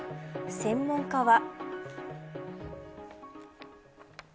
専門家は。